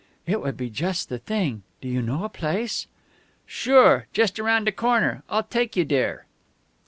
"It would be just the thing. Do you know a place?" "Sure. Just around de corner. I'll take you dere."